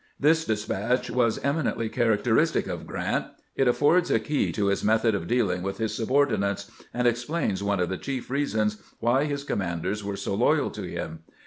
This despatch was eminently characteristic of Grant ; it affords a key to his method of dealing with his subordinates, and ex plains one of the chief reasons why his commanders were so loyal to him.